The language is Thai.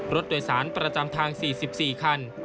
รถโดยสารประจำทาง๔๔คัน